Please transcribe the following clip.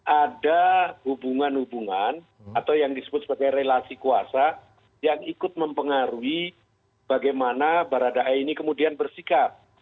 ada hubungan hubungan atau yang disebut sebagai relasi kuasa yang ikut mempengaruhi bagaimana baradae ini kemudian bersikap